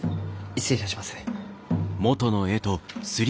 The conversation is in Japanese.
失礼いたします。